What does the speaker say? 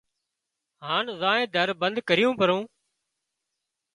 هانَ زائينَ در بند ڪريون پرون